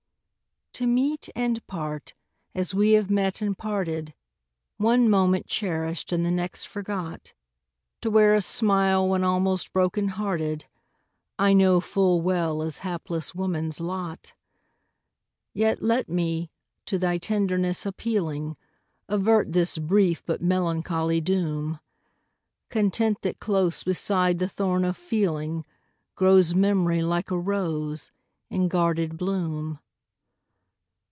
To meet, and part, as we have met and parted, One moment cherished and the next forgot, To wear a smile when almost broken hearted, I know full well is hapless woman's lot; Yet let me, to thy tenderness appealing, Avert this brief but melancholy doom Content that close beside the thorn of feeling, Grows memory, like a rose, in guarded bloom.